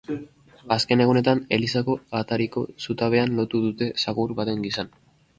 Azken egunetan, elizako atariko zutabean lotu dute zakur baten gisan.